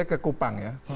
ke kupang ya